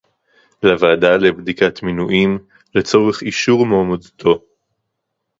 לוועדה לבדיקת מינויים לצורך אישור מועמדותו